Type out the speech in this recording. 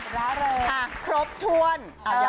แล้วเลยค่ะครบถ้วน